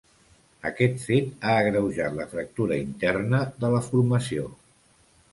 Aquest fet ha agreujat la fractura interna de la formació.